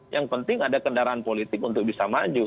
yang penting ada kendaraan politik untuk bisa maju